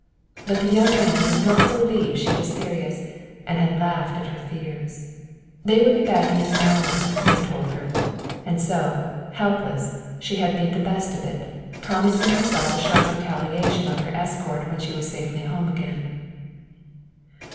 But the young man would not believe she was serious and had laughed at her fears. They would be back in an hour, he had told her, and so, helpless, she had made the best of it, promising herself a sharp retaliation on her escort when she was safely home again.